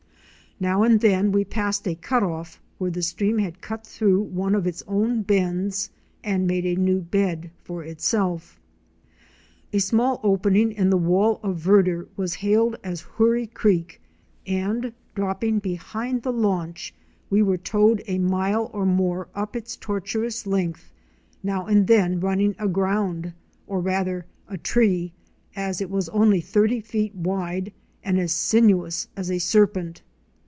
Now and then we passed a cut off where the stream had cut through one of its own bends and made a new bed for itself. A small opening in the wall of verdure was hailed as Hoorie Creek and, dropping behind the launch, we were towed a mile or more up its tortuous length, now and then running aground or rather "atree," as it was only thirty feet wide and as sinuous as a serpent.